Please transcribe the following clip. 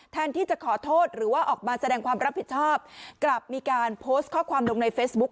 แทนที่จะขอโทษหรือว่าออกมาแสดงความรับผิดชอบกลับมีการโพสต์ข้อความลงในเฟซบุ๊ค